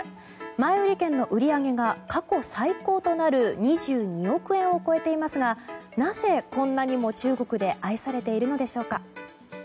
前売り券の売り上げが過去最高となる２２億円を超えていますがなぜ、こんなにも中国で愛されているのでしょうか。